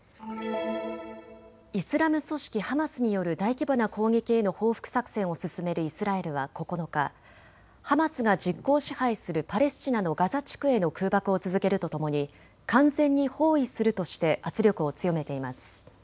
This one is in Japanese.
イスラム組織ハマスによる大規模な攻撃への報復作戦を進めるイスラエルは９日、ハマスが実効支配するパレスチナのガザ地区への空爆を続けるとともに完全に包囲するとして圧力を強めています。